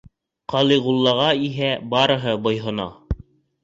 Калигулаға иһә барыһы буйһона.